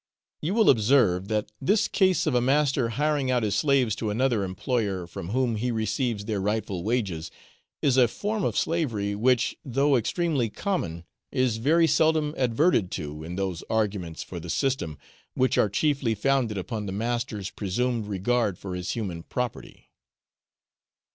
You will observe that this case of a master hiring out his slaves to another employer, from whom he receives their rightful wages, is a form of slavery which, though extremely common, is very seldom adverted to in those arguments for the system which are chiefly founded upon the master's presumed regard for his human property.